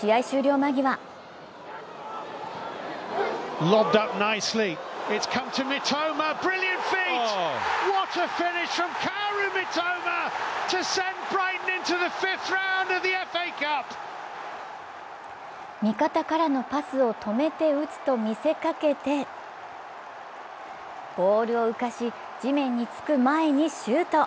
間際味方からのパスを止めて打つと見せかけてボールを浮かし、地面につく前にシュート。